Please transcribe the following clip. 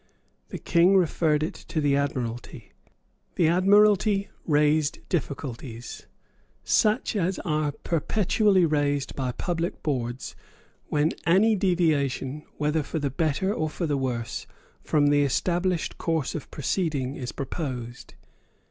The King referred it to the Admiralty. The Admiralty raised difficulties, such as are perpetually raised by public boards when any deviation, whether for the better or for the worse, from the established course of proceeding is proposed.